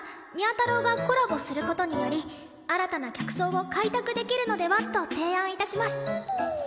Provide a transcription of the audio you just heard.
太郎がコラボする事により新たな客層を開拓できるのではと提案致します。